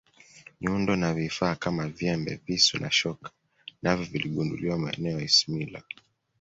nyundo na vifaa Kama nyembe visu na shoka navyo viligunduliwa maeneo ya ismila